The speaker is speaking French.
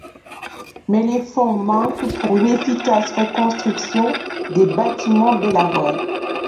Mais les fonds manquent pour une efficace reconstruction des bâtiments délabrés.